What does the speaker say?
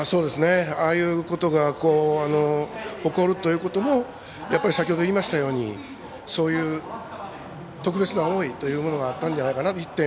ああいうことが起こるということもやっぱり先ほど言いましたようにそういう特別な思いというのがあったんじゃないのかなと。